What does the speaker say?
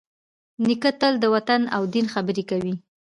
نیکه تل د وطن او دین خبرې کوي.